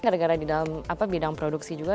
gak ada gak ada di dalam bidang produksi juga